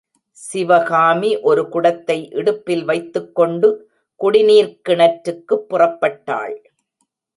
சிவகாமி ஒரு குடத்தை இடுப்பில் வைத்துக்கொண்டு குடிநீர்க் கிணற்றுக்குப் புறப்பட்டாள்.